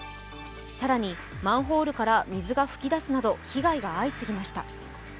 更にマンホールから水が噴き出すなど、被害が相次ぎました。